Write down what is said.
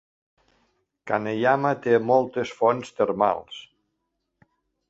Kaneyama té moltes fonts termals.